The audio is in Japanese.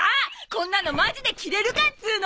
こんなのマジで着れるかっつうの！